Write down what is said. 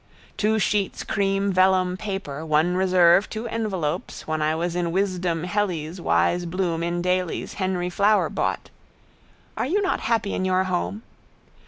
Two sheets cream vellum paper one reserve two envelopes when I was in Wisdom Hely's wise Bloom in Daly's Henry Flower bought. Are you not happy in your home?